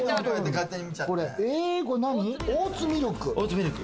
オーツミルク。